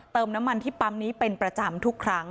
น้ำมันที่ปั๊มนี้เป็นประจำทุกครั้ง